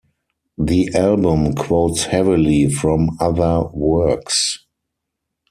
The album quotes heavily from other works.